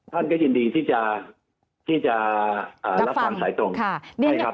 ท่านก็ยินดีที่จะรับฟังสายตรงใช่ครับ